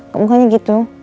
kok mukanya gitu